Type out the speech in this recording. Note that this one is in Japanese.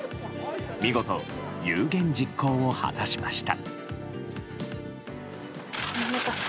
見事、有言実行を果たしました。